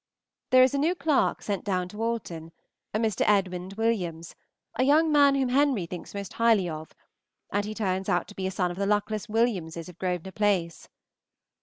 There is a new clerk sent down to Alton, a Mr. Edmund Williams, a young man whom Henry thinks most highly of, and he turns out to be a son of the luckless Williamses of Grosvenor Place.